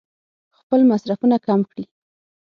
خپل مصرفونه کم کړي.